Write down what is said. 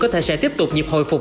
có thể sẽ tiếp tục nhịp hồi phục